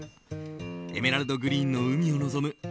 エメラルドグリーンの海を望む